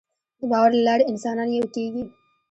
د باور له لارې انسانان یو کېږي.